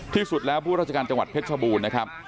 ที่สุดแล้วผู้ราชการจังหวัดเพชรชบูรณ์นะครับ